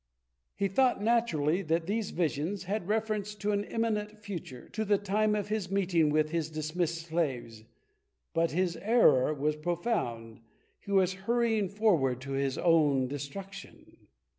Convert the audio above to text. He thought naturally that these visions had reference to an imminent future, to the time of his meeting with his dismissed slaves. But his error was profound he was hurrying forward to his own destruction.